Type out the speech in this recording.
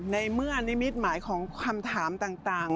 ในเมื่อนิมิตหมายของคำถามต่าง